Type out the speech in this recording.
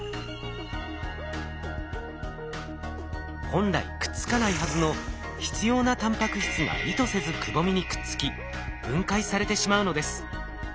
本来くっつかないはずの必要なタンパク質が意図せずくぼみにくっつき分解されてしまうのです。